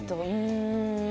うん。